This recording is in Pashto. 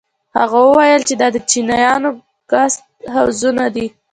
هغه وويل چې دا د چينايانو ګسټ هوزونه دي.